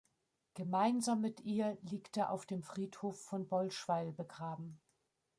Gemeinsam mit ihr liegt er auf dem Friedhof von Bollschweil begraben.